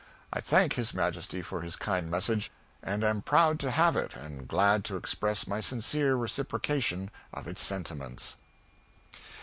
I thank his Majesty for his kind message, and am proud to have it and glad to express my sincere reciprocation of its sentiments.